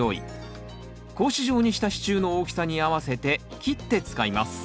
格子状にした支柱の大きさに合わせて切って使います。